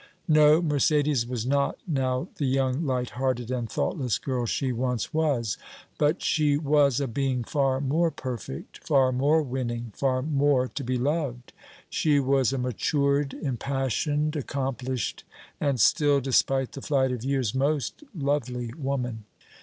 No, Mercédès was not now the young, light hearted and thoughtless girl she once was; but she was a being far more perfect, far more winning, far more to be loved she was a matured, impassioned, accomplished, and still, despite the flight of years, most lovely woman.